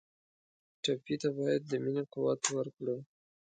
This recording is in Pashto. ټپي ته باید د مینې قوت ورکړو.